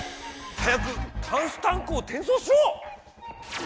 早くタンスタンクをてんそうしろ！